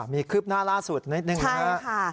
มีคืบหน้าล่าสุดนิดหนึ่งนะครับ